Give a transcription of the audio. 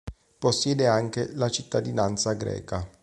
Possiede anche la cittadinanza greca.